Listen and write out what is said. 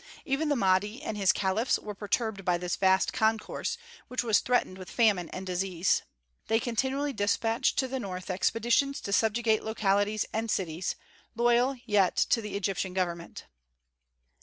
Even the Mahdi and his caliphs were perturbed by this vast concourse, which was threatened with famine and disease. They continually despatched to the north expeditions to subjugate localities and cities, loyal yet to the Egyptian Government.